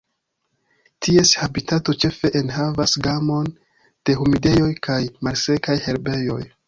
Ties habitato ĉefe enhavas gamon de humidejoj kaj malsekaj herbejoj.